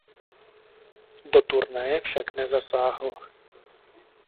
Do turnaje však nezasáhl.